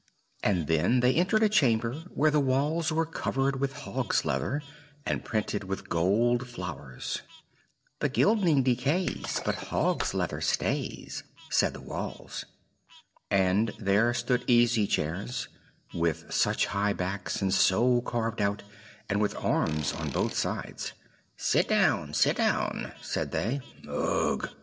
And then they entered a chamber where the walls were covered with hog's leather, and printed with gold flowers. "The gilding decays, But hog's leather stays!" said the walls. And there stood easy chairs, with such high backs, and so carved out, and with arms on both sides. "Sit down! sit down!" said they. "Ugh!